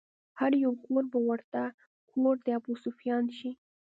هر يو کور به ورته کور د ابوسفيان شي